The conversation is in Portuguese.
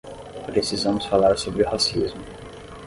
Precisamos falar sobre o racismo